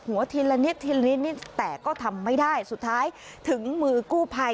ทีละนิดทีละลิ้นนิดแต่ก็ทำไม่ได้สุดท้ายถึงมือกู้ภัย